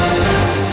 lo sudah bisa berhenti